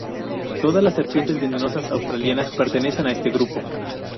Todas las serpientes venenosas australianas pertenecen a este grupo.